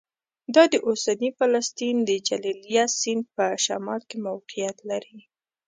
دا د اوسني فلسطین د جلیلیه سیند په شمال کې موقعیت لري